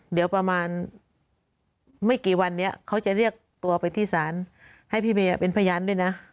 เดี๋ยวประมาณไม่กี่วันนี้เขาจะเรียกตัวไปที่ศาลให้พี่เมย์เป็นพยานด้วยนะ